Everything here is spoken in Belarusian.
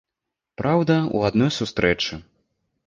Праўда, у адной сустрэчы.